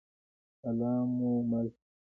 الله مو مل شه؟